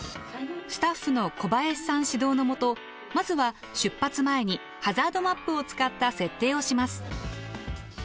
スタッフの小林さん指導のもとまずは出発前にハザードマップを使った設定をします。